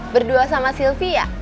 berdua sama sylvia